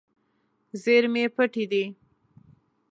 زیرمې پټې دي.